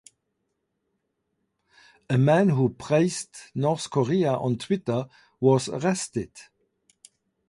A man who praised North Korea on Twitter was arrested.